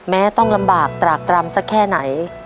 ต้องลำบากตรากตรำสักแค่ไหน